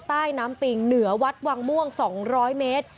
ใต้น้ำปิงเหนือวัดวังม่วง๒๐๐เมตร